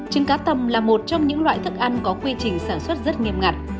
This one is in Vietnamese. trứng cá tầm là một trong những loại thức ăn có quy trình sản xuất rất nghiêm ngặt